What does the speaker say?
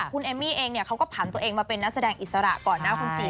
คุณเอมมี่เองเนี่ยเขาก็ผ่านตัวเองมาเป็นนักแสดงอิสระก่อนหน้าคุณศรี